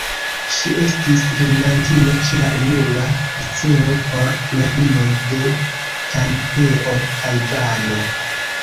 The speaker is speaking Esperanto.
Ŝi estis lernantino ĉe la Unua Liceo por Knabinoj de Tajpeo, Tajvano.